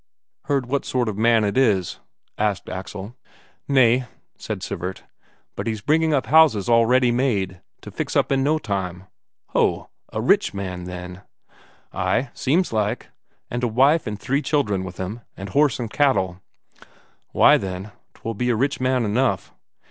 "Heard what sort of a man it is?" asked Axel. "Nay," said Sivert. "But he's bringing up houses all ready made, to fix up in no time." "Ho! A rich man, then?" "Ay, seems like. And a wife and three children with him; and horse and cattle." "Why, then, 'twill be a rich man enough.